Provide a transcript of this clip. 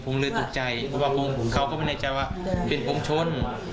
ผมเลยตกใจเพราะว่าเขาก็ไม่แน่ใจว่าเป็นผงชน